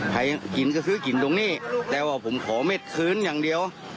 กินก็ซื้อกินตรงนี้แต่ว่าผมขอเม็ดคืนอย่างเดียว